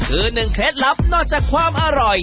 คือหนึ่งเคล็ดลับนอกจากความอร่อย